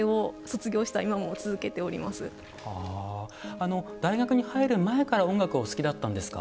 あの大学に入る前から音楽お好きだったんですか？